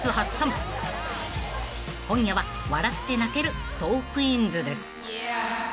［今夜は笑って泣ける『トークィーンズ』です］